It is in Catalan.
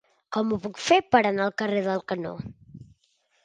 Com ho puc fer per anar al carrer del Canó?